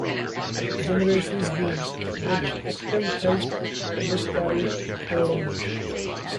Generations game, with "Active Health with Carol Vorderman".